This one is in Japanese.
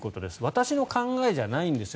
私の考えじゃないんですよ